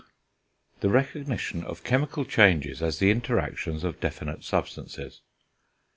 THE RECOGNITION OF CHEMICAL CHANGES AS THE INTERACTIONS OF DEFINITE SUBSTANCES.